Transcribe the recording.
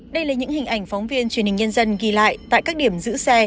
đây là những hình ảnh phóng viên truyền hình nhân dân ghi lại tại các điểm giữ xe